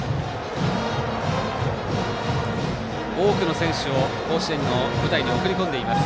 多くの選手を甲子園の舞台に送り込んでいます